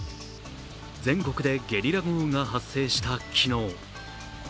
全国でゲリラ豪雨が発生した昨日。